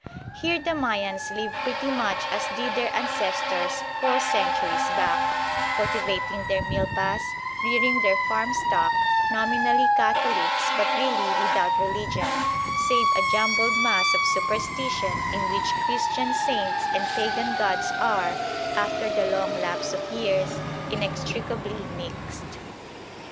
Here the Mayans live pretty much as did their ancestors four centuries back, cultivating their milpas, rearing their farm stock, nominally Catholics but really without religion, save a jumbled mass of superstition in which Christian Saints and pagan gods are, after the long lapse of years, inextricably mixed.